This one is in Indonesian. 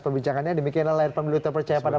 perbincangannya demikian layar pemilu terpercaya pada